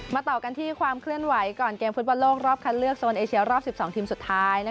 ต่อกันที่ความเคลื่อนไหวก่อนเกมฟุตบอลโลกรอบคัดเลือกโซนเอเชียรอบ๑๒ทีมสุดท้าย